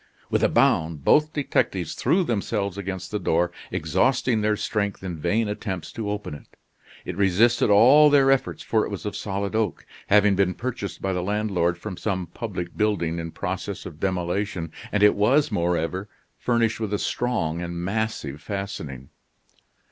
With a bound, both detectives threw themselves against the door, exhausting their strength in vain attempts to open it. It resisted all their efforts, for it was of solid oak, having been purchased by the landlord from some public building in process of demolition, and it was, moreover, furnished with a strong and massive fastening.